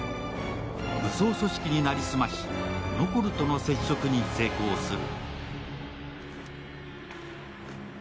武装組織になりすまし、ノコルとの接触に成功する。